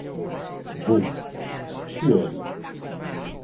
V, cl.